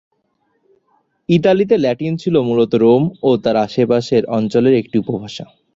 ইতালিতে লাতিন ছিল মূলত রোম ও তার আশেপাশের অঞ্চলের একটি উপভাষা।